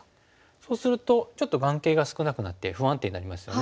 そうするとちょっと眼形が少なくなって不安定になりますよね。